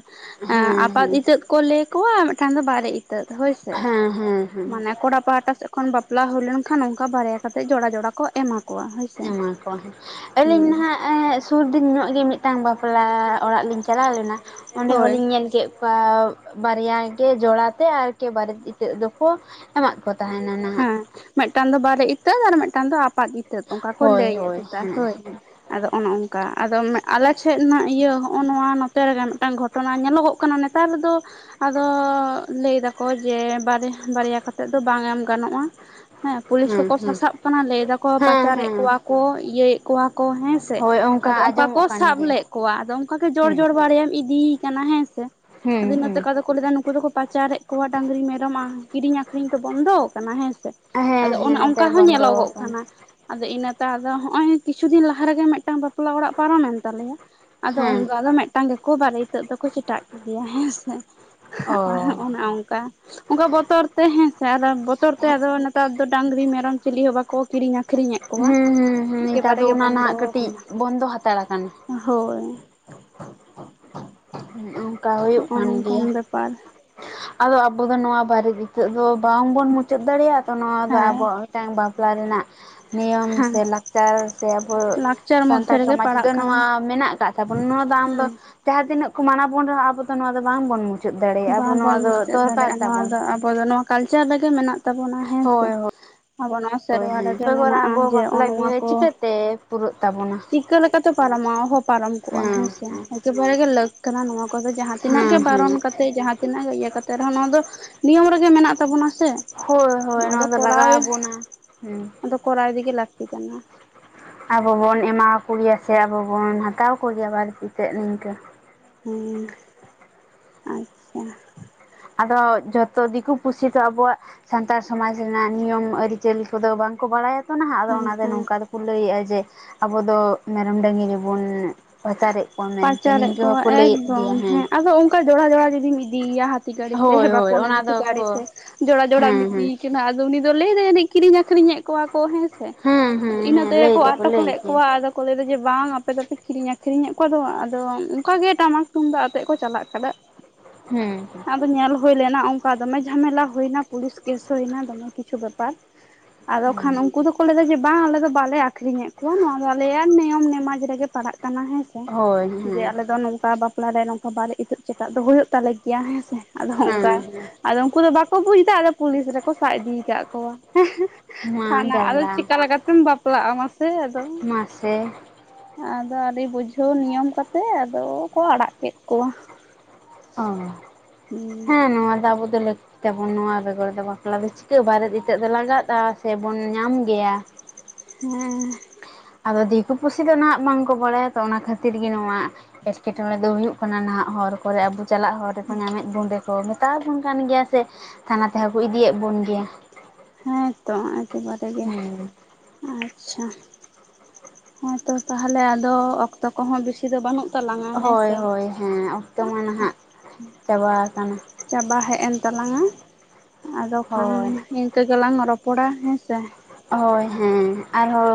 ᱮ ᱦᱮᱸ ᱟᱯᱟᱛ ᱦᱮᱸ ᱤᱛᱟᱹᱜ ᱠᱚ ᱞᱟᱹᱭ ᱠᱚᱣᱟ ᱢᱤᱫᱴᱟᱝ ᱫᱚ ᱵᱟᱨᱮ ᱤᱛᱟᱹᱫ ᱦᱳᱭ ᱥᱮ ᱦᱮᱸ ᱦᱮᱸ ᱦᱮᱸ ᱢᱟᱱᱮ ᱠᱚᱲᱟ ᱯᱟᱦᱟᱴᱟ ᱥᱮᱫ ᱠᱷᱚᱱ ᱵᱟᱯᱞᱟ ᱦᱩᱭ ᱞᱮᱱᱠᱷᱟᱱ, ᱚᱱᱠᱟ ᱵᱟᱨᱭᱟ ᱠᱟᱛᱮᱫ ᱡᱚᱲᱟ ᱡᱚᱲᱟ ᱠᱚ ᱮᱢᱟ ᱠᱚᱣᱟ᱾ ᱦᱳᱭᱥᱮ᱾ ᱮᱢᱟ ᱠᱚᱣᱟ ᱟᱹᱞᱤᱧ ᱦᱩᱸ ᱢᱟᱦᱟᱜ ᱥᱩᱨ ᱫᱤᱱ ᱧᱚᱜ ᱜᱮ ᱢᱤᱫᱴᱟᱝ ᱵᱟᱯᱞᱟ ᱚᱲᱟᱜ ᱞᱤᱧ ᱪᱟᱞᱟᱣ ᱞᱮᱱᱟ ᱚᱸᱰᱮ ᱦᱳᱭ ᱦᱚᱞᱤᱧ ᱧᱮᱞ ᱠᱮᱫ ᱵᱟᱨᱭᱟ ᱜᱮ ᱡᱚᱲᱟ ᱛᱮ ᱟᱨᱠᱤ ᱵᱟᱨᱮᱛ ᱤᱛᱟᱹᱜ ᱫᱚᱠᱚ ᱮᱢᱟᱜ ᱠᱚ ᱛᱟᱦᱮᱸᱱᱟ ᱦᱮᱸ ᱢᱤᱫᱴᱟᱝ ᱫᱚ ᱵᱟᱨᱮ ᱤᱛᱟᱹ ᱟᱨ ᱢᱤᱫᱴᱟᱝ ᱫᱚ ᱟᱯᱟᱛ ᱤᱛ [inaudible] ᱚᱱᱠᱟ ᱠᱚ ᱦᱳᱭ ᱞᱟᱹᱭᱮᱫ ᱦᱳᱭ ᱠᱮᱫᱟ ᱦᱮᱸ ᱦᱳᱭ ᱟᱫᱚ ᱚᱱᱮ ᱚᱱᱠᱟ ᱟᱫᱚ ᱟᱞᱮ ᱥᱮᱫ ᱱᱟ ᱤᱭᱟᱹ ᱦᱚᱜᱼᱚ ᱱᱚᱣᱟ ᱱᱚᱛᱮ ᱨᱮᱜᱮ ᱢᱤᱫᱴᱟᱝ ᱜᱷᱚᱴᱚᱱᱟ ᱧᱮᱞᱚᱜᱚᱜ ᱠᱟᱱᱟ ᱱᱮᱛ [inaudible] ᱱᱮᱛᱟᱨ ᱫᱚ ᱟᱫᱚ ᱞᱟᱹᱭ ᱫᱟᱠᱚ ᱡᱮ ᱵᱟᱨ ᱵᱟᱨᱭᱟ ᱠᱟᱛᱮᱫ ᱫᱚ ᱵᱟᱝ ᱮᱢ ᱜᱟᱱᱚᱜᱼᱟ [inaudible] ᱦᱮᱸ ᱯᱩᱞᱤᱥ ᱠᱚ ᱠᱚ ᱥᱟᱥᱟᱵ ᱠᱟᱱᱟ ᱞᱟᱹᱭ ᱫᱟᱠᱚ ᱦᱮᱸ ᱯᱟᱪᱟᱨᱮᱫ ᱦᱮᱸ ᱠᱚᱣᱟ ᱠᱚ ᱤᱭᱟᱹᱭᱮᱫ ᱠᱚᱣᱟ ᱠᱚ ᱦᱮᱸᱥᱮ ᱦᱳᱭ ᱟᱫᱚ ᱚᱱᱠᱟ ᱟᱸᱡᱚᱢᱚᱜ ᱠᱚ ᱠᱟᱱ ᱥᱟᱵ ᱜᱮᱭᱟ ᱞᱮᱫ ᱠᱚᱣᱟ ᱟᱫᱚ ᱚᱱᱠᱟ ᱜᱮ ᱡᱚᱲ ᱦᱩᱸ ᱡᱚᱲ ᱵᱟᱨᱭᱟᱢ ᱤᱫᱤᱭᱮ ᱠᱟᱱᱟ ᱦᱮᱸᱥᱮ ᱦᱩᱸ ᱟᱫᱚ ᱤᱱᱟᱹ ᱦᱩᱸ ᱛᱮᱠᱚ ᱟᱫᱚ ᱠᱚ ᱞᱟᱹᱭᱮᱫᱟ ᱱᱩᱠᱩ ᱫᱚᱠᱚ ᱯᱟᱪᱟᱨᱮᱫ ᱠᱚᱣᱟ ᱰᱟᱝᱨᱤ ᱢᱮᱨᱚᱢᱼᱟ ᱠᱤᱨᱤᱧ ᱟᱠᱷᱨᱤᱧ ᱛᱚ ᱵᱚᱱᱫᱚ ᱦᱮᱸᱥᱮ ᱦᱮᱸ ᱟᱫᱚ ᱦᱮᱸ ᱚᱱᱮ ᱚᱱᱠᱟ ᱱᱮᱛᱟᱨ ᱦᱚᱸ ᱵᱚᱱᱫᱚ ᱧᱮᱞᱚᱜᱚᱜ ᱟᱠᱟᱱᱟ ᱠᱟᱱᱟ ᱟᱫᱚ ᱤᱱᱟᱹ ᱛᱮ ᱟᱫᱚ ᱱᱚᱸᱜ ᱚᱭ ᱠᱤᱪᱷᱩ ᱫᱤᱱ ᱞᱟᱦᱟ ᱨᱮ ᱜᱮ ᱢᱤᱫᱴᱟᱝ ᱵᱟᱯᱞᱟ ᱚᱲᱟᱜ ᱯᱟᱨᱚᱢ ᱮᱱ ᱛᱟᱞᱮᱭᱟ ᱟᱫᱚ ᱦᱮᱸ ᱩᱱᱫᱚ ᱟᱫᱚ ᱢᱤᱫᱴᱟᱝ ᱜᱮᱠᱚ ᱵᱟᱨᱮ ᱤᱛᱟᱹᱜ ᱫᱚᱠᱚ ᱪᱮᱴᱟᱜ ᱠᱮᱫᱮᱭᱟ ᱦᱮᱸᱥᱮ ᱚ ᱟᱨ ᱚᱱᱮ ᱚᱱᱠᱟ ᱚᱱᱠᱟ ᱵᱚᱛᱚᱨ ᱛᱮ ᱦᱮᱸᱥᱮ ᱟᱨᱚ [inaudible] ᱵᱚᱛᱚᱨ ᱛᱮ ᱟᱫᱚ ᱱᱮᱛᱟᱨ ᱫᱚ ᱰᱟᱝᱨᱤ ᱢᱮᱨᱚᱢ ᱪᱤᱞᱤ ᱦᱚᱸ ᱵᱟᱠᱚ ᱠᱤᱨᱤᱧ ᱟᱠᱷᱨᱤᱧ ᱮᱫ ᱠᱚᱣᱟ ᱦᱸ ᱦᱸ ᱱᱮᱛᱟᱨ ᱮᱠᱮᱵᱟᱨᱮ ᱫᱚ ᱜᱮ ᱚᱱᱟ ᱵᱚᱱᱫᱚ ᱱᱟᱦᱟᱜ ᱠᱟᱹᱴᱤᱡ ᱟᱠᱟᱱᱟ ᱵᱚᱱᱫᱚ ᱦᱟᱛᱟᱲ ᱟᱠᱟᱱᱟ ᱦᱳᱭ ᱚᱱᱠᱟ ᱦᱩᱭᱩᱜ ᱱᱚᱜᱼᱚ ᱠᱟᱱ ᱱᱚᱝᱠᱟᱱ ᱜᱮᱭᱟ ᱵᱮᱯᱟᱨ ᱟᱫᱚ ᱟᱵᱚ ᱫᱚ ᱱᱚᱣᱟ ᱵᱟᱨᱮ ᱤᱛᱟᱹᱫ ᱫᱚ ᱵᱟᱝᱵᱚᱱ ᱢᱩᱪᱟᱹᱫ ᱫᱟᱲᱮᱭᱟᱜ ᱛᱚ ᱱᱚᱣᱟ ᱫᱚ ᱦᱮᱸ ᱟᱵᱚᱣᱟᱜ ᱢᱤᱫᱴᱟᱝ ᱵᱟᱯᱞᱟ ᱨᱮᱱᱟᱜ ᱱᱤᱭᱚᱢ ᱦᱮᱸ ᱥᱮ ᱞᱟᱠᱪᱟᱨ ᱥᱮ ᱟᱵᱚ ᱞᱟᱠᱪᱟᱨ [inaudible] ᱢᱚᱫᱽᱫᱷᱮ ᱥᱟᱱᱛᱟᱲ ᱨᱮᱜᱮ ᱥᱚᱢᱟᱡᱽ ᱯᱟᱲᱟᱜ ᱨᱮᱫᱚ ᱠᱟᱱᱟ ᱱᱚᱣᱟ ᱢᱮᱱᱟᱜ ᱟᱠᱟᱜ ᱛᱟᱵᱚᱱᱟ ᱱᱚᱣᱟ ᱫᱚ ᱟᱢ ᱫᱚ ᱦᱮᱸ ᱡᱟᱦᱟᱸ ᱛᱤᱱᱟᱹᱜ ᱠᱚ ᱢᱟᱱᱟ ᱵᱚᱱ ᱨᱮᱦᱚᱸ ᱟᱵᱚ ᱫᱚ ᱱᱚᱣᱟ ᱫᱚ ᱵᱟᱝᱵᱚᱱ ᱢᱩᱪᱟᱹᱫ ᱫᱟᱲᱮᱭᱟᱜᱼᱟ ᱟᱵᱚ ᱱᱚᱣᱟ ᱵᱟᱵᱚᱱ ᱫᱚ ᱢᱩᱪᱟᱹᱫ ᱫᱚᱨᱠᱟᱨ ᱫᱟᱲᱮᱭᱟᱜᱼᱟ ᱱᱚᱣᱟ ᱛᱟᱵᱚᱱ ᱫᱚ ᱟᱵᱚ ᱫᱚ ᱱᱚᱣᱟ ᱠᱟᱞᱪᱟᱨ ᱨᱮ ᱜᱮ ᱢᱮᱱᱟᱜ ᱛᱟᱵᱚᱱᱟ ᱦᱮᱸ ᱥᱮ ᱦᱳᱭ ᱦᱳᱭ ᱟᱵᱚ ᱱᱚᱣᱟ [inaudible] ᱥᱮᱨᱣᱟ ᱨᱮᱜᱮ ᱢᱮᱱᱟᱜᱼᱟ ᱡᱮ ᱚ ᱱᱚᱣᱟ ᱠᱚ ᱛᱮ ᱯᱩᱨᱟᱹᱜ ᱛᱟᱵᱚᱱ [inaudible] ᱪᱤᱠᱟᱹ ᱞᱮᱠᱟ ᱛᱮ ᱯᱟᱨᱚᱢᱚᱜ ᱟ ᱚᱦᱚ ᱯᱟᱨᱚᱢ ᱠᱚᱜᱼᱟ ᱦᱮᱸᱥᱮ ᱦᱮᱸ ᱵᱟᱨᱮ [unintelligible] ᱜᱮ ᱞᱟᱹᱠ ᱠᱟᱱᱟ ᱱᱚᱣᱟ ᱠᱚᱫᱚ ᱡᱟᱦᱟᱸ ᱛᱤᱱᱟᱹᱜ ᱜᱮ ᱦᱮᱸ ᱵᱟᱨᱚᱱ ᱦᱮᱸ ᱠᱟᱛᱮ [inaudible] ᱡᱟᱦᱟᱸ ᱛᱤᱱᱟᱹᱜ ᱤᱭᱟᱹ ᱠᱟᱛᱮ ᱨᱮᱦᱚᱸ ᱱᱚᱣᱟ ᱫᱚ ᱱᱤᱭᱚᱢ ᱨᱮᱜᱮ ᱢᱮᱱᱟᱜ ᱛᱟᱵᱚᱱᱟ ᱥᱮ ᱦᱳᱭ ᱦᱳᱭ ᱱᱚᱣᱟ ᱫᱚ ᱞᱟᱜᱟᱣ ᱟᱵᱚᱱᱟ ᱦᱮᱸ ᱟᱫᱚ ᱠᱚᱨᱟᱣ ᱤᱫᱤ ᱜᱮ ᱞᱟᱹᱠᱛᱤ ᱠᱟᱱᱟ ᱟᱵᱚᱵᱚᱱ ᱮᱢᱟᱣ ᱠᱚ ᱜᱮᱭᱟ ᱥᱮ ᱟᱵᱚ ᱵᱚᱱ ᱦᱟᱛᱟᱣ ᱠᱚᱜᱮᱭᱟ ᱵᱟᱹᱲᱛᱤ ᱛᱮᱫ ᱱᱤᱝᱠᱟᱹ ᱦᱩᱸ [inaudible] ᱟᱫᱚ ᱡᱚᱛᱚ ᱫᱤᱠᱩ ᱯᱩᱥᱤ ᱫᱚ ᱟᱵᱚᱣᱟᱜ ᱥᱟᱱᱛᱟᱲ ᱥᱚᱢᱟᱡᱽ ᱨᱮᱱᱟᱜ ᱱᱤᱭᱚᱢ ᱟᱹᱨᱤᱪᱟᱹᱞᱤ ᱠᱚᱫᱚ ᱵᱟᱝᱠᱚ ᱵᱟᱲᱟᱭᱟ ᱛᱚ ᱱᱟᱦᱟᱜ ᱟᱫᱚ ᱦᱮᱸ ᱚᱱᱟ ᱫᱚ ᱦᱮᱸ ᱱᱚᱝᱠᱟ ᱫᱚ ᱠᱚ ᱞᱟᱹᱭᱮᱫᱼᱟ ᱡᱮ ᱟᱵᱚ ᱫᱚ ᱢᱮᱨᱚᱢ ᱰᱟᱹᱜᱨᱤ ᱵᱚᱱ ᱯᱟᱪᱟᱨᱮᱫ ᱠᱚᱣᱟ ᱢᱮᱱᱛᱮ ᱯᱟᱪᱟᱨᱮᱫ ᱱᱤᱝᱠᱟᱹ ᱠᱚᱣᱟ ᱦᱚᱸᱠᱚ ᱞᱟᱹᱭᱮᱫ ᱮᱠᱫᱚᱢ ᱜᱮᱭᱟ ᱦᱮᱸ ᱟᱫᱚ ᱚᱱᱠᱟ ᱡᱚᱲᱟ ᱡᱚᱲᱟ ᱡᱩᱫᱤᱢ ᱤᱫᱤᱭᱮᱭᱟ ᱦᱟᱴ [inaudible] ᱜᱟᱲᱤ ᱛᱮ ᱦᱳᱭ ᱵᱟ ᱦᱳᱭ ᱠᱚᱱᱚ ᱚᱱᱟ ᱠᱤᱪᱩ ᱜᱟᱹᱲᱤ ᱛᱮ ᱫᱚᱠᱚ ᱡᱚᱲᱟ ᱡᱚᱲᱟᱢ ᱦᱮᱸ ᱤᱫᱤ ᱦᱮᱸ ᱟᱫᱚ ᱩᱱᱤ ᱫᱚ ᱞᱟᱹᱭ ᱮᱫᱟᱭ ᱡᱟᱱᱤᱡ ᱠᱤᱨᱤᱧ ᱟᱹᱠᱷᱨᱤᱧ ᱮᱫ ᱠᱚᱣᱟ ᱠᱚ ᱦᱮᱸ ᱦᱮᱸ ᱦᱮᱸ ᱤᱱᱟᱹ ᱦᱮᱸ ᱞᱟᱹᱭ ᱛᱮᱠᱚ ᱫᱚᱠᱚ ᱟᱴᱚᱠ ᱞᱟᱹᱭ ᱞᱮᱫ ᱜᱮᱭᱟ ᱠᱚᱣᱟ ᱟᱫᱚ ᱠᱚ ᱞᱟᱹᱭᱫᱟ ᱡᱮ ᱵᱟᱝ ᱟᱯᱮ ᱫᱚᱯᱮ ᱠᱤᱨᱤᱧ ᱟᱠᱨᱤᱧᱮᱫ ᱚᱠᱚᱭ ᱫᱚ ᱟᱫᱚ ᱚᱱᱠᱟ ᱜᱮ ᱴᱟᱢᱟᱠ ᱛᱩᱢᱫᱟᱜ ᱟᱛᱮᱜ ᱠᱚ ᱪᱟᱞᱟᱜ ᱠᱟᱱᱟ ᱦᱩᱸ ᱟᱫᱚ ᱧᱮᱞ ᱦᱩᱭ ᱞᱮᱱᱟ ᱚᱱᱠᱟ ᱫᱚᱢᱮ ᱡᱷᱟᱢᱮᱞᱟ ᱦᱩᱭᱱᱟ ᱯᱩᱞᱤᱥ ᱠᱮᱥ ᱦᱩᱭᱱᱟ ᱫᱚᱢᱮ ᱠᱤᱪᱷᱩ ᱵᱮᱯᱟᱨ ᱟᱫᱚ ᱠᱷᱟᱱ ᱩᱱᱠᱩ ᱫᱚᱠᱚ ᱞᱟᱹᱭ ᱮᱫᱟ ᱡᱮ ᱵᱟᱝ ᱟᱞᱮ ᱫᱚ ᱵᱟᱞᱮ ᱟᱠᱷᱨᱤᱧᱮᱫ ᱱᱚᱣᱟ ᱫᱚ ᱟᱞᱮᱭᱟᱜ ᱱᱤᱭᱚᱢ ᱱᱮᱢᱟᱡᱽ ᱨᱮᱜᱮ ᱯᱟᱲᱟᱜ ᱠᱟᱱᱟ ᱦᱮᱸᱥᱮ ᱦᱳᱭ ᱡᱮ ᱦᱮᱸ ᱟᱞᱮ ᱫᱚ ᱱᱚᱝᱠᱟ ᱵᱟᱯᱞᱟ ᱨᱮ ᱱᱚᱝᱠᱟ ᱵᱟᱨᱮ ᱤᱛᱟᱹᱫ ᱪᱮᱴᱟᱜ ᱫᱚ ᱦᱩᱭᱩᱜ ᱛᱟᱞᱮ ᱜᱮ ᱜᱮᱭᱟ ᱦᱮᱸ ᱥᱮ ᱟᱫᱚ ᱦᱮᱸ ᱚᱝᱠᱟ ᱟᱫᱚ ᱩᱱᱠᱩ ᱫᱚ ᱵᱟᱠᱚ ᱵᱩᱡ ᱫᱟ ᱟᱫᱚ ᱯᱩᱞᱤᱥ ᱨᱮᱠᱚ ᱥᱟᱵ ᱤᱫᱤᱠᱟᱫ ᱠᱚᱣᱟ ᱦᱮᱸᱜ ᱦᱮᱸᱜ ᱢᱟ ᱛᱟᱱᱟ ᱟᱫᱚ ᱡᱟᱞᱟ ᱪᱤᱠᱟ ᱞᱮᱠᱟᱛᱮᱢ ᱵᱟᱯᱞᱟᱜᱼᱟ ᱢᱟᱥᱮ ᱟᱫᱚ ᱢᱟᱥᱮ ᱟᱫᱚ ᱟᱹᱰᱤ ᱵᱩᱡᱷᱟᱹᱣ ᱱᱤᱭᱚᱢ ᱠᱟᱛᱮᱫ ᱟᱫᱚ ᱠᱚ ᱟᱲᱟᱜ ᱠᱮᱫ ᱠᱚᱣᱟ ᱚ ᱦᱮᱸ ᱱᱚᱣᱟ ᱫᱚ ᱟᱵᱚ ᱫᱚ ᱞᱟᱹᱠ ᱛᱟᱵᱚᱱ ᱱᱚᱣᱟ ᱵᱮᱜᱚᱨ ᱫᱚ ᱵᱟᱯᱞᱟ ᱫᱚ ᱪᱤᱠᱟᱹ ᱵᱟᱨᱮᱫ ᱤᱛᱟᱹᱫ ᱫᱚ ᱞᱟᱜᱟᱜᱼᱟ ᱥᱮᱵᱚᱱ ᱧᱟᱢ ᱜᱮᱭᱟ ᱦᱮᱸ ᱟᱫᱚ ᱫᱤᱠᱩ ᱯᱩᱥᱤ ᱫᱚ ᱱᱟᱜ ᱵᱟᱝᱠᱚ ᱵᱟᱲᱟᱭᱟ ᱛᱚ ᱚᱱᱟ ᱠᱷᱟᱹᱛᱤᱨ ᱜᱮ ᱱᱚᱣᱟ ᱮᱴᱠᱮᱴᱚᱬᱮ ᱫᱚ ᱦᱩᱭᱩᱜ ᱠᱟᱱᱟ ᱱᱟᱦᱟᱜ ᱦᱚᱨ ᱠᱚᱨᱮ ᱟᱵᱩ ᱪᱟᱞᱟᱜ ᱦᱚᱨ ᱨᱮᱠᱚ ᱧᱟᱢᱮᱫ ᱱᱚᱸᱰᱮ ᱠᱚ ᱢᱮᱛᱟᱣᱟᱵᱚᱱ ᱠᱟᱱ ᱜᱮᱭᱟ ᱥᱮ ᱛᱷᱟᱱᱟ ᱛᱮᱦᱚᱸ ᱠᱚ ᱤᱫᱤᱭᱮᱫ ᱵᱚᱱ ᱜᱮᱭᱟ ᱦᱮᱸᱛᱚ ᱮᱠᱮᱵᱟᱨᱮ ᱜᱮ ᱦᱮᱸ ᱟᱪᱪᱷᱟ ᱦᱮᱸᱛᱚ ᱛᱟᱦᱞᱮ ᱟᱫᱚ ᱚᱠᱛᱚ ᱠᱚᱦᱚᱸ ᱵᱤᱥᱤ ᱫᱚ ᱵᱟᱹᱱᱩᱜ ᱛᱟᱞᱟᱝᱟ ᱦᱮᱸ ᱦᱳᱭ ᱥᱮ ᱦᱳᱭ ᱦᱮᱸ ᱚᱠᱛᱚ ᱢᱟ ᱱᱟᱦᱟᱜ ᱪᱟᱵᱟ ᱠᱟᱱᱟ᱾ ᱪᱟᱵᱟ ᱦᱮᱡ ᱮᱱ ᱛᱟᱞᱟᱝᱟ ᱟᱫᱚ ᱠᱷᱟᱱ ᱦᱳᱭ ᱤᱱ ᱼᱼ ᱤᱝᱠᱟᱹ ᱜᱮᱞᱟᱝ ᱨᱚᱯᱚᱲᱟ ᱦᱮᱸ ᱥᱮ ᱦᱚᱸ ᱦᱚᱸ ᱟᱨᱦᱚᱸ